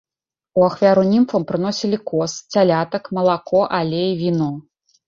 У ахвяру німфам прыносілі коз, цялятак, малако, алей, віно.